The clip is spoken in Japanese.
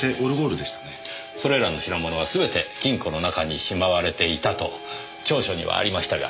それらの品物は全て金庫の中にしまわれていたと調書にはありましたが。